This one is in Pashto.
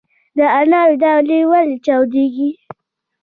د انارو دانې ولې چاودیږي؟